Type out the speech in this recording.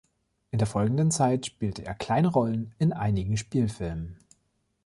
In der folgenden Zeit spielte er kleine Rollen in einigen Spielfilmen.